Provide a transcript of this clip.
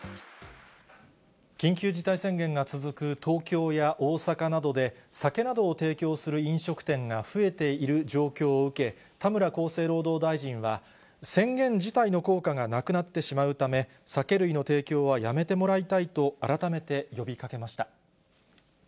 緊急事態宣言が続く東京や大阪などで、酒などを提供する飲食店が増えている状況を受け、田村厚生労働大臣は、宣言自体の効果がなくなってしまうため、酒類の提供はやめてもらいたいと、改めて呼びかけました。